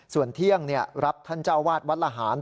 ส่วนเที่ยงรับท่านเจ้าวาดวัดละหาร